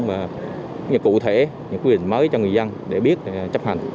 và cụ thể những quy định mới cho người dân để biết chấp hành